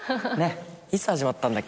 いつ始まったんだっけ。